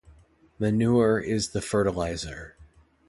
Manure is the fertilizer.